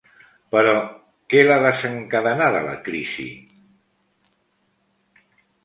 Però, què l’ha desencadenada, la crisi?